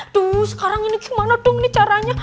tuh sekarang ini gimana dong caranya